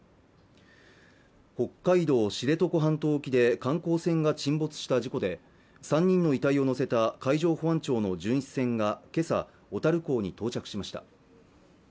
北海道・知床半島沖で観光船が沈没した事故で３人の遺体を乗せた海上保安庁の巡視船がけさ小樽港に到着しました